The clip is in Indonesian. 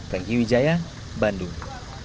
franky widjaya bandung